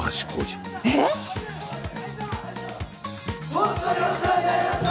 ほんとにお世話になりました。